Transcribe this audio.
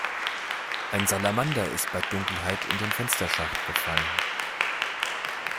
Ein Salamander ist bei Dunkelheit in den Fensterschacht gefallen.